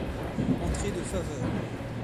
Entrée de faveur